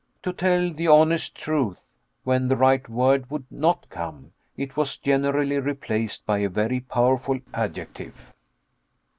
To tell the honest truth, when the right word would not come, it was generally replaced by a very powerful adjective.